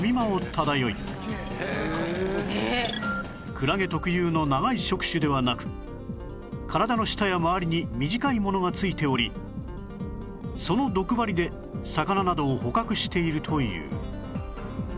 クラゲ特有の長い触手ではなく体の下や周りに短いものがついておりその毒針で魚などを捕獲しているという